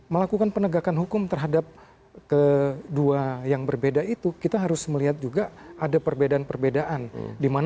melakukan penegakan hukum terhadap kedua yang berbeda itu kita harus melihat juga ada perbedaan perbedaan